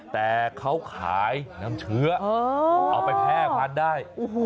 แต่เขาขายน้ำเชื้อเอาไปแพร่พันธุ์ได้